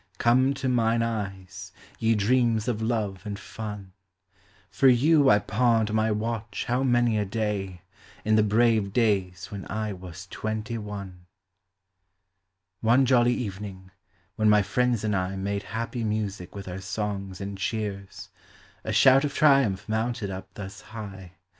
Come to mine eyes, ye dreams of love and fun ; For you I pawned my watch how many a day, In the brave days when I was twenty one. ..... One jolly evening, when my friends and I Made happy music with our songs and cheers, A shout of triumph mounted up thus high.